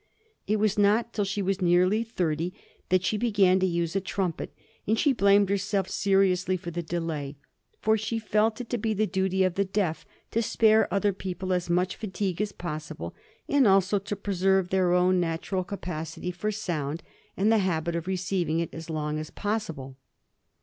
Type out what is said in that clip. It was not till she was nearly thirty that she began to use a trumpet, and she blamed herself seriously for the delay; for she felt it to be the duty of the deaf to spare other people as much fatigue as possible, and also to preserve their own natural capacity for sound, and the habit of receiving it, as long as possible.